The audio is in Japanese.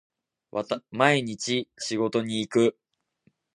毎日仕事に行く